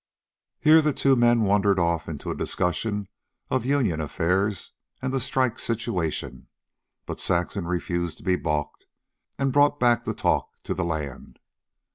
Here the two men wandered off into a discussion of union affairs and the strike situation; but Saxon refused to be balked, and brought back the talk to the land.